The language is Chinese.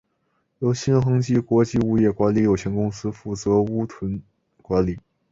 由新恒基国际物业管理有限公司负责屋邨管理。